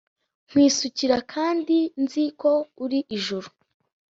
nkwisukira kandi nzi ko uri ijuru,